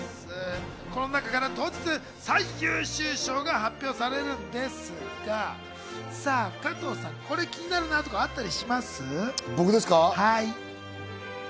この中から当日、最優秀賞が発表されるんですが、加藤さん、これ気になるなとかあったりします？